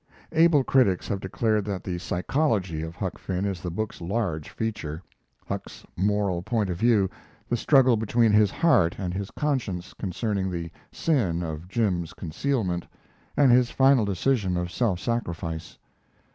Able critics have declared that the psychology of Huck Finn is the book's large feature: Huck's moral point of view the struggle between his heart and his conscience concerning the sin of Jim's concealment, and his final decision of self sacrifice.